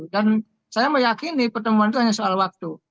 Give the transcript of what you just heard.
dan saya meyakini pertemuan itu hanya soal waktu